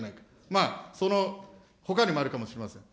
まあ、そのほかにもあるかもしれません。